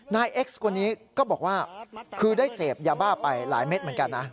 เอ็กซ์คนนี้ก็บอกว่าคือได้เสพยาบ้าไปหลายเม็ดเหมือนกันนะ